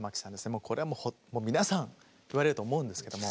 もうこれはもう皆さん言われると思うんですけども。